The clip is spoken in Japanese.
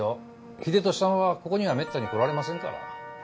英利さんはここにはめったに来られませんから。